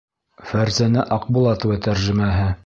Фәрзәнә Аҡбулатова тәржемәһе